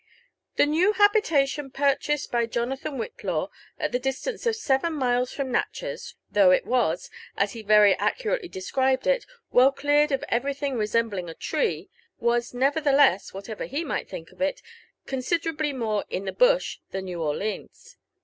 The new habitation purchased by Jonathan Whitlaw at the distance/ of seven miles from Natchez, though it was, as he very accurately de Bcribed it, well cleared of everything resembling a tree, was neverthe less, whatever he might think of it, considerably more in the bush" than New Orleans.